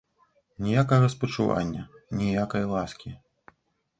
Ніякага спачування, ніякай ласкі.